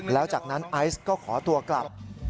แล้วจากนั้นไอซ์ก็ขอตัวกลับ